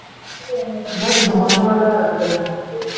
غږ د مانا لاره ښيي.